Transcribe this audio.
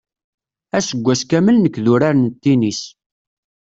Aseggas kamel nekk d urar n tinis.